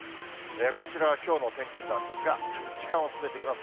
こちらはきょうの天気図なんですが、時間を進めていきます。